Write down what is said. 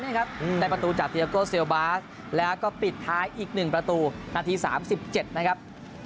นี่ครับได้ประตูจากเตียโกเซลบาสแล้วก็ปิดท้ายอีก๑ประตูนาที๓๗นะครับ